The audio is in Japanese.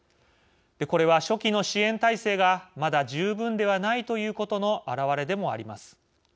これは、初期の支援体制がまだ十分ではないということの表れでもあります。